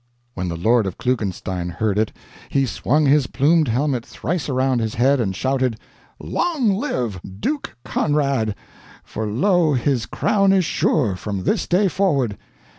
When the lord of Klugenstein heard it, he swung his plumed helmet thrice around his head and shouted: "Long live Duke Conrad! for lo, his crown is sure from this day forward!